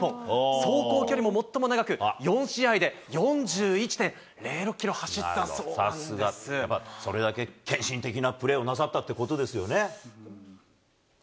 走行距離も最も長く、４試合で４１．０６キロ走ったそうなんでさすが、やっぱりそれだけ献身的なプレーをなさったってことですよね。